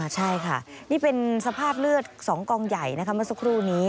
ใช่ค่ะนี่เป็นสภาพเลือด๒กองใหญ่เมื่อสักครู่นี้